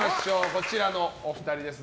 こちらのお二人です。